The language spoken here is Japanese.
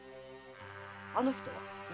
あの人は？え？